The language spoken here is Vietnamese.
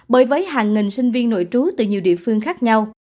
bởi với hàng nghìn sinh viên nội trú từ nhiều địa phương khác nhau